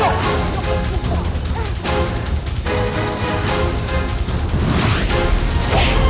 itu tidak patients yang natif